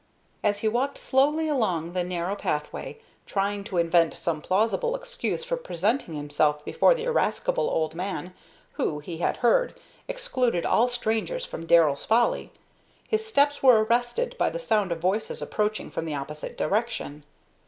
As he walked slowly along the narrow pathway, trying to invent some plausible excuse for presenting himself before the irascible old man who, he had heard, excluded all strangers from "Darrell's Folly," his steps were arrested by the sound of voices approaching from the opposite direction.